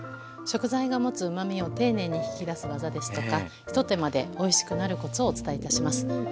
食材が持つうまみを丁寧に引き出す技ですとか一手間でおいしくなるコツをお伝えいたします。